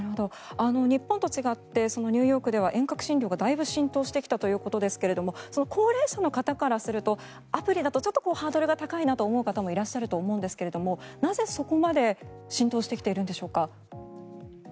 日本と違ってニューヨークでは遠隔診療がだいぶ浸透してきたということですが高齢者の方からするとアプリだとハードルが高いなと思う方もいらっしゃると思うんですがなぜそこまで浸透してきているんでしょうか。